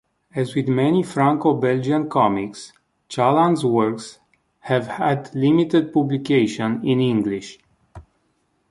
As with many Franco-Belgian comics, Chaland's works have had limited publication in English.